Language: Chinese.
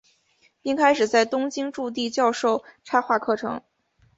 并开始在东京筑地教授插画课程。